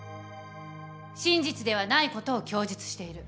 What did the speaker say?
真実ではないことを供述している。